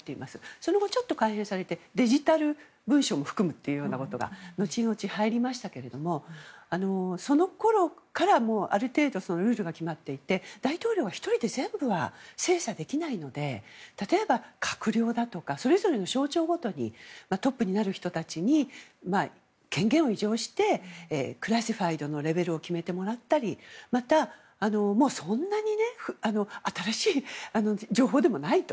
その後、ちょっと改変されてデジタル文書も含むということが後々入りましたけれどもそのころから、ある程度ルールが決まっていて大統領が１人で全部は精査できないので例えば、閣僚だとかそれぞれの省庁ごとにトップになる人たちに権限を委譲してクラシファイドのレベルを決めてもらったりまた、そんなに新しい情報でもないと。